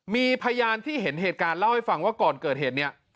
มีพยานที่เห็นเหตุการณ์เล่าให้ฟังว่าก่อนเกิดเหตุเนี่ย